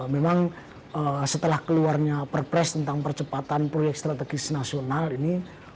memang setelah keluarnya perpres tentang percepatan proyek strategis nasional ini